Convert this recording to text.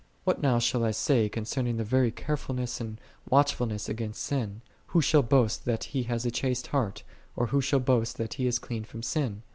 "5 48. What now shall I say concerning the very carefulness and watchfulness against sin ?" Who shall boast that he hath a chaste heart? or who shall boast that he is clean from sin?"